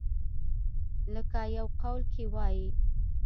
لکه يو قول کښې وائي ۔